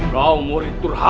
kau murid turhaka